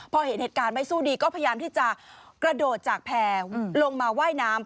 พอเห็นเหตุการณ์ไม่สู้ดีก็พยายามที่จะกระโดดจากแพร่ลงมาว่ายน้ำ